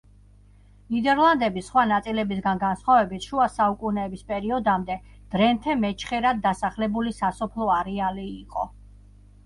ნიდერლანდების სხვა ნაწილებისგან განსხვავებით, შუა საუკუნეების პერიოდამდე დრენთე მეჩხერად დასახლებული სასოფლო არეალი იყო.